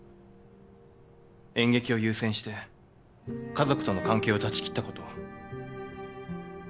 演劇を優先して家族との関係を断ち切ったことを。